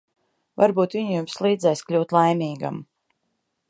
Varbūt viņa jums līdzēs kļūt laimīgam.